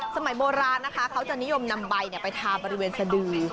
สมัยโบราณนะคะเขาจะนิยมนำใบไปทาบริเวณสะดือ